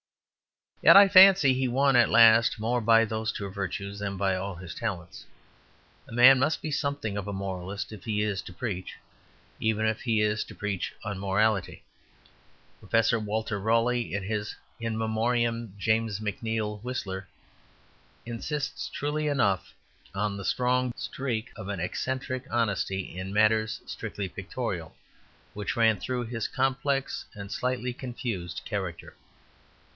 Yet I fancy he won at last more by those two virtues than by all his talents. A man must be something of a moralist if he is to preach, even if he is to preach unmorality. Professor Walter Raleigh, in his "In Memoriam: James McNeill Whistler," insists, truly enough, on the strong streak of an eccentric honesty in matters strictly pictorial, which ran through his complex and slightly confused character.